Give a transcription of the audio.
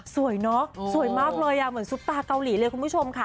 สวยเนอะสวยมากเลยอ่ะเหมือนซุปตาเกาหลีเลยคุณผู้ชมค่ะ